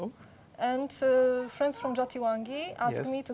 dan teman teman dari jatiwangi meminta saya untuk datang ke jawa